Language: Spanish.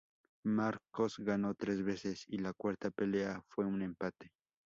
Marcos ganó tres veces y la cuarta pelea fue un empate.